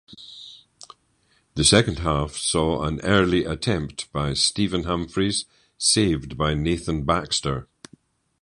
The second half saw an early attempt by Stephen Humphrys saved by Nathan Baxter.